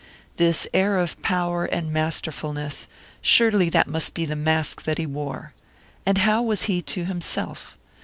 This air of power and masterfulness, surely that must be the mask that he wore. And how was he to himself?